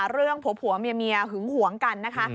เรื่องผัวเมียหึงหวงกันนะคะ